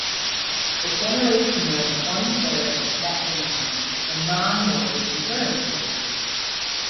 It generates nearly one-third of its net income from non-mortgage insurance businesses.